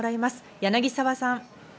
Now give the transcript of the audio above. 柳沢さん。